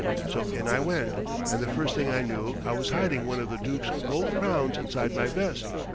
So in I went, and the first thing I knew I was hiding one of the Dook's gold crowns inside my vest.